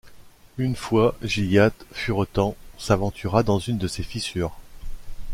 Une fois, Gilliatt, furetant, s’aventura dans une de ces fissures.